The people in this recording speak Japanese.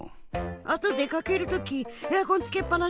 あとでかけるときエアコンつけっぱなしだったし。